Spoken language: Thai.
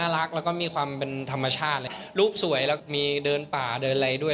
และรูปสวยเรื่อยด้วย